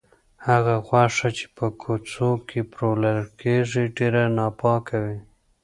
هغه غوښه چې په کوڅو کې پلورل کیږي، ډېره ناپاکه وي.